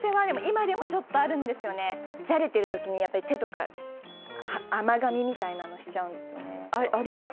じゃれてる時にやっぱり手とか甘がみみたいなのしちゃうんですよね。あります？